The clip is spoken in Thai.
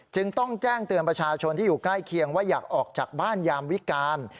จึงต้องแจ้งเตือนประชาชนที่อยู่ใกล้เคียงว่าอยากออกจากบ้านยามวิการ